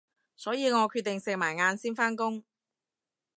所以我決定食埋晏先返工